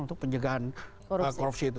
untuk pencegahan korupsi itu